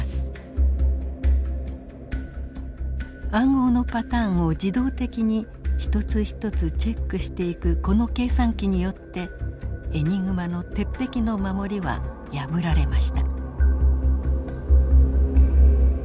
暗号のパターンを自動的に一つ一つチェックしていくこの計算機によってエニグマの鉄壁の守りは破られました。